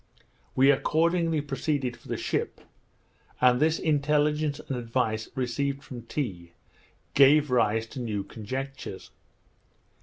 We accordingly proceeded for the ship; and this intelligence and advice received from Tee, gave rise to new conjectures.